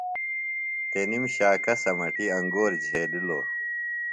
تنِم شاکہ سمٹیۡ انگور جھیلِلوۡ۔